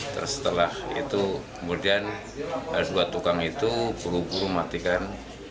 terus setelah itu kemudian dua tukang itu buru buru matikan